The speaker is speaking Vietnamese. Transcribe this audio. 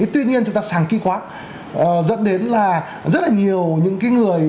tuy nhiên chúng ta sàng kỹ quá dẫn đến là rất là nhiều những người